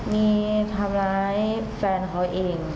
มีทำร้ายแฟนเขาเอง